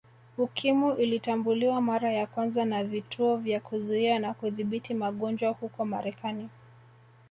Ukimwi ulitambuliwa mara ya kwanza na Vituo vya Kuzuia na Kudhibiti magonjwa huko Marekani